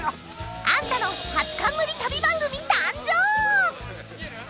アンタの初冠旅番組誕生！